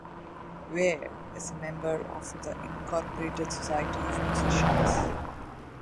Weir is a member of the Incorporated Society of Musicians.